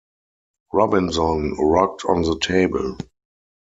Robinson rocked on the table.